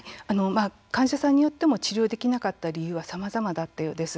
患者さんによって治療できなかった理由はさまざまだったようです。